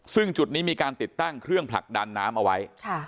ซึ่งจุดนี้มีการติดตั้งเครื่องผลักดันน้ำเอาไว้